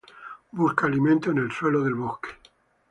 Busca alimento en el suelo del bosque.